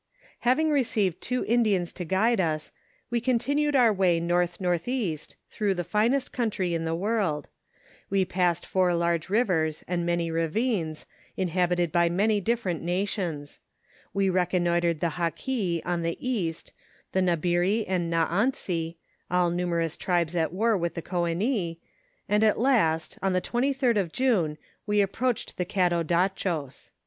Having received two Indians to guide us, we continued our way north northeast, through the finest country in the world ; we passed four large rivei*s and many ravines, inhabited by many diflferent nations • we reconnoitred the Haquis on the east, the Nabiri, and J^aansi, all numerous tribes at war with the Ccenis, and at last, on the 23d of June, we approached the Cadodacchos.